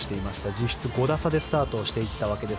実質５打差でスタートしていったわけです。